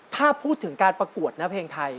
ถ้าพูดถึงการประกวดเนื้อเพลงไทย